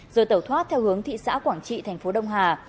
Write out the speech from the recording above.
rồi tẩu thoát theo hướng thị xã quảng trị thành phố đông hà